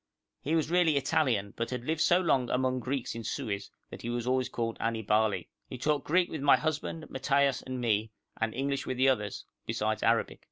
He was really Italian, but had lived so long among Greeks in Suez that he was always called Annibale. He talked Greek with my husband, Mattaios, and me, and English with the others, besides Arabic.